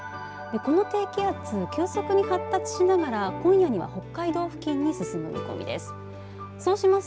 この低気圧、急速に発達しながら今夜には北海道付近に進む見込みです。